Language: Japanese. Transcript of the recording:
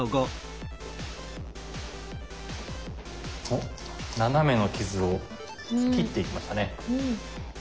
おっナナメの傷を切っていきましたね。